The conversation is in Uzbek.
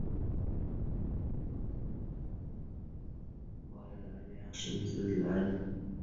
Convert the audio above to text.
Biz oʻzbilarmon liderlarni emas, yetakchilikning eng yaxshi sifatlariga ega bo’hlgan liderlarni tarbiyalaymiz.